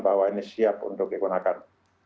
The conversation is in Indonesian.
bahwa ini siap untuk digunakan